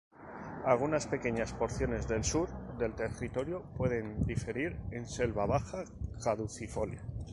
Algunas pequeñas porciones del sur del territorio pueden diferir en Selva Baja Caducifolia.